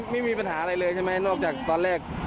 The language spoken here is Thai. ไม่มีปัญหาอะไรเลยใช่ไหมนอกจากตอนแรก